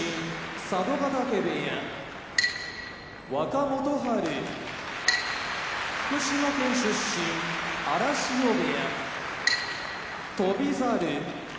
佐渡ヶ嶽部屋若元春福島県出身荒汐部屋翔猿